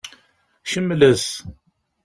Kemmlet.